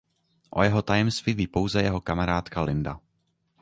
O jeho tajemství ví pouze jeho kamarádka Linda.